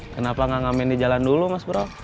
kenapa gak ngamain di jalan dulu mas bro